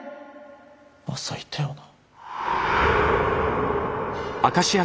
朝いたよな。